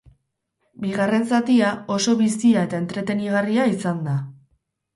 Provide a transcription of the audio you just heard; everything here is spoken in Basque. Bigarren zatia oso bizia eta entretenigarria izan da.